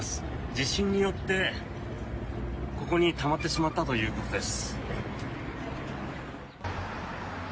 地震によってここにたまってしまったということです。